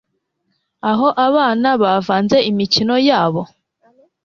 Aho abana bavanze imikino yabo